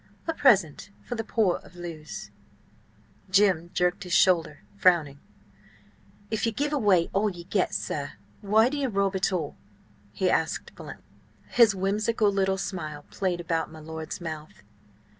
A present for the poor of Lewes." Jim jerked his shoulder, frowning. :"If ye give away all ye get, sir, why do ye rob at all?" he asked bluntly. His whimsical little smile played about my lord's mouth.